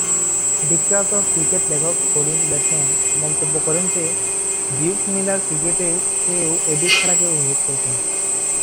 বিখ্যাত ক্রিকেট লেখক Colin Bateman মন্তব্য করেন যে, জিওফ মিলার ক্রিকেটের চেয়েও অধিক খেলাকে উপভোগ করতেন।